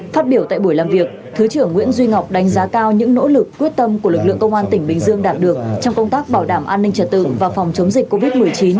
phát biểu tại buổi làm việc thứ trưởng nguyễn duy ngọc đánh giá cao những nỗ lực quyết tâm của lực lượng công an tỉnh bình dương đạt được trong công tác bảo đảm an ninh trật tự và phòng chống dịch covid một mươi chín